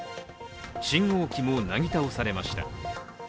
信号機もなぎ倒されました。